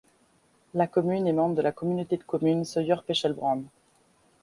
La commune est membre de la Communauté de communes Sauer-Pechelbronn.